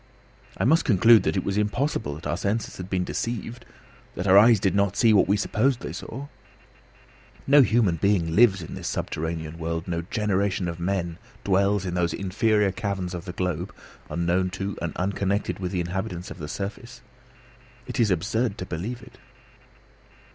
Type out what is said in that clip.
I must conclude that it was impossible that our senses had been deceived, that our eyes did not see what we supposed they saw. No human being lives in this subterranean world; no generation of men dwells in those inferior caverns of the globe, unknown to and unconnected with the inhabitants of its surface. It is absurd to believe it!